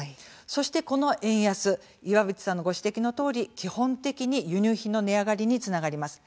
そしてこの円安岩渕さんのご指摘のとおり基本的に輸入品の値上がりにつながります。